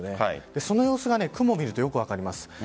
その様子は雲を見るとよく分かります。